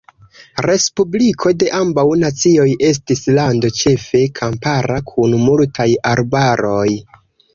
Respubliko de Ambaŭ Nacioj estis lando ĉefe kampara kun multaj arbaroj.